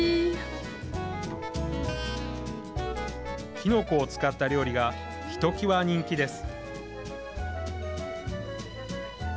きのこを使った料理がひときわ人気です。